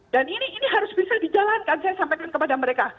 dan ini harus bisa dijalankan saya sampaikan kepada mereka